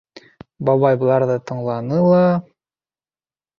Бабай быларҙы тыңланы ла: